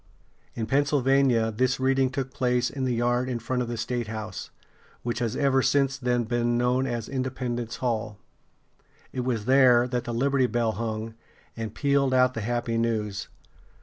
In Pennsylvania this reading took place in the yard in front of the statehouse, which has ever since then been known as Independence Hall. It was there that the Liberty Bell hung, and pealed out the happy news.